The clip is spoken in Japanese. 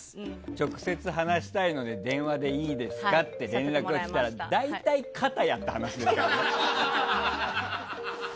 直接話したいので電話でいいですかって連絡が来たら大体、肩をやった話ですからね。